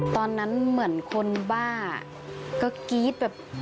ตอนนั้นเหมือนคนบ้าก็กรี๊ดแบบ